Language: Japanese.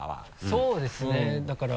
そうですねだから。